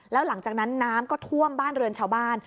แล้วหลังจากนั้นน้ำก็ท่วมบ้านเรือนชาวบ้าน